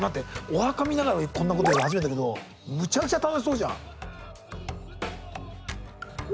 お墓見ながらこんなこと言うの初めてだけどむちゃくちゃ楽しそうじゃん。